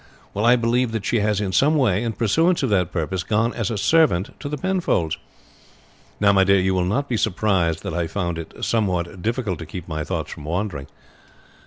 Well, I believe that she has in some way in pursuance of that purpose gone as a servant to the Penfolds. Now, my dear, you will not be surprised that I found it somewhat difficult to keep my thoughts from wandering."